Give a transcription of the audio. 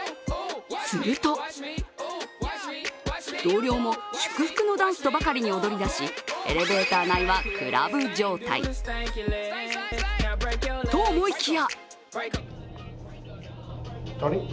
すると同僚も祝福のダンスとばかりに踊り出し、エレベーター内はクラブ状態。と思いきや！